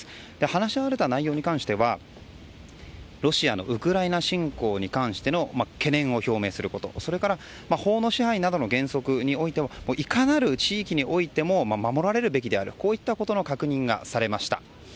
話し合われた内容に関してはロシアのウクライナ侵攻に関しての懸念を表明することそれから法の支配などの原則はいかなる地域においても守られるべきであるこういったことの確認がされました。